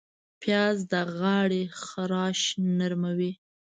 پیاز د غاړې خراش نرموي